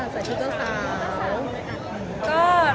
สวัสดีครับ